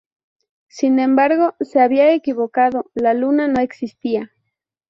Sin embargo, se había equivocado: la luna no existía.